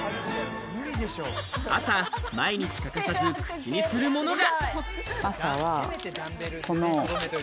朝、毎日欠かさず、口にするものが。